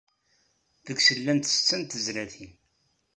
Deg-s llant setta n tezlatin.